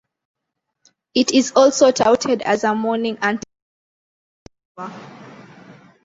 It is also touted as a morning "antidote" for a hangover.